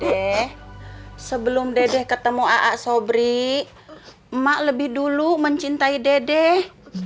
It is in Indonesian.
deh sebelum dedeh ketemu aak sobri emak lebih dulu mencintai dedeh